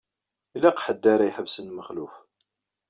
Ilaq ḥedd ara iḥebsen Mexluf.